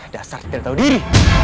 dasar tidak tahu diri